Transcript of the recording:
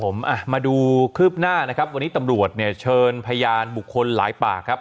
ผมอ่ะมาดูคืบหน้านะครับวันนี้ตำรวจเนี่ยเชิญพยานบุคคลหลายปากครับ